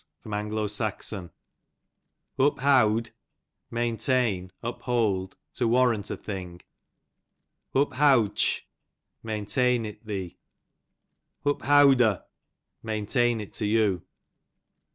Uncoth, j ^ Uphowd, maintain, uplwld, to warrant a thing. Uphowdteh, maintain it thee. Uphowdo', maintain it to you.